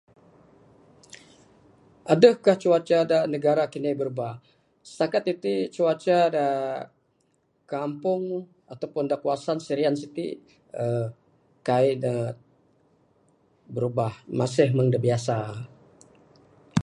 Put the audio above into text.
Aduhkah cuaca dak negara kende berubah? Stakat iti' cuaca da kampung atau pun da kawasan Serian siti' uhh kaik ne birubah. Masih mung de biasa.